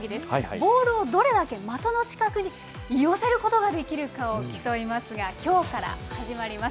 ボールをどれだけ的の近くに寄せることができるかを競いますが、きょうから始まります。